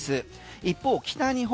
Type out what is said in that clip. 一方北日本